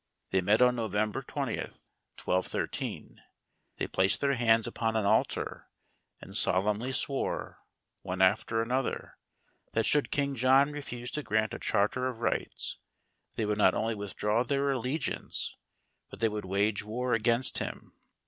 They met on November 20, 1213. They placed their hands upon an altar and solemnly swore, one after another, that should King John refuse to grant a Charter of Rights, they would not only withdraw their allegiance, but they would wage war against him.